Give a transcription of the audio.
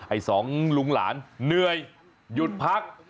ให้สองลุงหลานเหนื่อยหยุดพัก